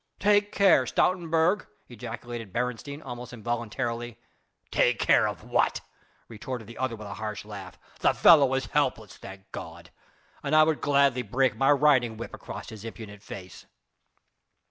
"Take care, Stoutenburg," ejaculated Beresteyn almost involuntarily. "Take care of what," retorted the other with a harsh laugh, "the fellow is helpless, thank God! and I would gladly break my riding whip across his impudent face."